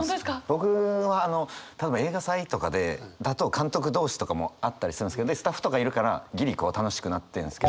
僕あの多分映画祭とかでだと監督同士とかもあったりするんですけどでスタッフとかいるからギリこう楽しくなってんですけど。